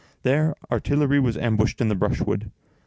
There artillery was ambushed in the brushwood.